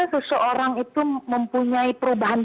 seseorang itu mempunyai perubahan